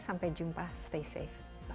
sampai jumpa stay safe